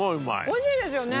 美味しいですよね。